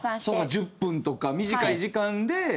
１０分とか短い時間で。